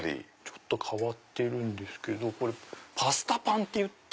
ちょっと変わってるんですけどパスタパンっていって。